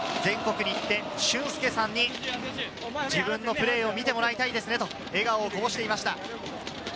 全国に行って、俊輔さんに自分のプレーを見てもらいたいですねと笑顔をこぼしていました。